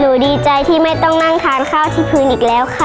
หนูดีใจมากเลยค่ะที่ได้นั่งกินข้าวบนโต๊ะเก้าอี้ที่แข็งแรงค่ะ